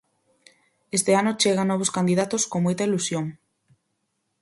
Este ano chegan novos candidatos con moita ilusión.